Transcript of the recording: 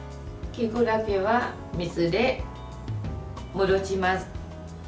きくらげは水で戻します。